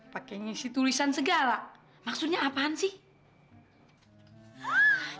pakai ngisi tulisan segala maksudnya apaan sih